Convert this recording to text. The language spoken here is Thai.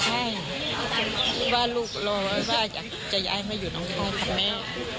ใช่ว่าลูกรอว่าจะย้ายมาอยู่น้องทองค่ะแม่